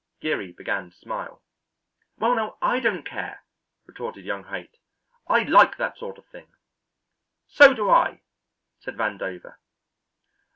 Geary began to smile. "Well, now, I don't care," retorted young Haight, "I like that sort of thing." "So do I," said Vandover.